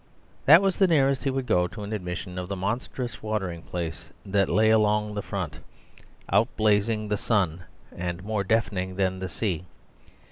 That was the nearest he would go to an admission of the monstrous watering place that lay along the front, outblazing the sun, and more deafening than the sea.